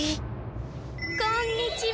こんにちは。